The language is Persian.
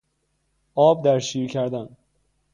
آب در شیر کردن